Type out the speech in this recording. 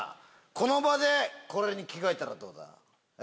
この場で着替えたらどうだ？